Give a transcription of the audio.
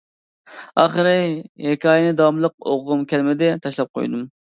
ئاخىرى، ھېكايىنى داۋاملىق ئوقۇغۇم كەلمىدى، تاشلاپ قويدۇم.